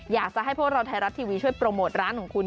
อยากจะให้พวกเราไทยรัฐทีวีช่วยโปรโมทร้านของคุณ